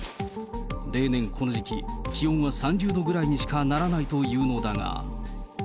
例年この時期、気温は３０度ぐらいにしかならないというのだが。